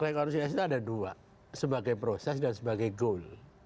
rekonsiliasi itu ada dua sebagai proses dan sebagai goal